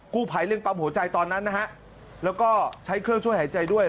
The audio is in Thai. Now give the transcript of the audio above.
ผู้ภัยเร่งปั๊มหัวใจตอนนั้นนะฮะแล้วก็ใช้เครื่องช่วยหายใจด้วย